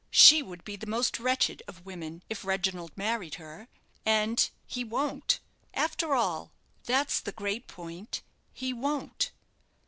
She would be the most wretched of women if Reginald married her, and he won't, after all, that's the great point, he won't.